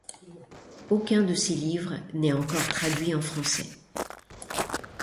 Aucun de ces livres n'est encore traduit en français.